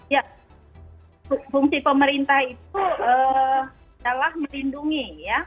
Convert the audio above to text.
ya fungsi pemerintah itu adalah melindungi ya